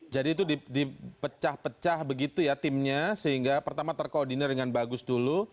jadi itu dipecah pecah begitu ya timnya sehingga pertama terkoordinir dengan bagus dulu